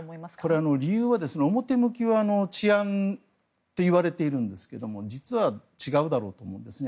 これ、理由は、表向きは治安といわれているんですが実は違うだろうと思うんですね。